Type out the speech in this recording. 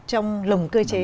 trong lồng cơ chế